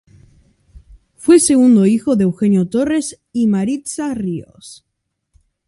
Fue el segundo hijo de Eugenio Torres y Maritza Ríos.